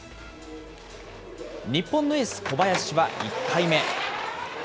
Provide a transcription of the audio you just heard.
日本のエース、小林は１回目。